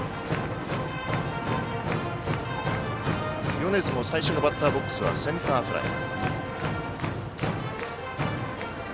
米津も最初のバッターボックスはセンターフライ。